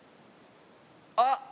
あっ！